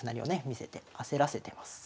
見せて焦らせてます。